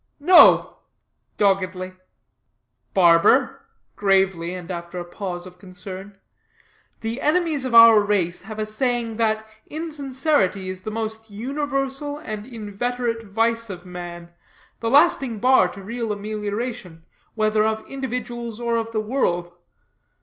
"No," doggedly. "Barber," gravely, and after a pause of concern, "the enemies of our race have a saying that insincerity is the most universal and inveterate vice of man the lasting bar to real amelioration, whether of individuals or of the world.